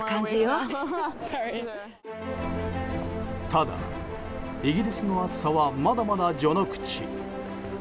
ただ、イギリスの暑さはまだまだ序の口。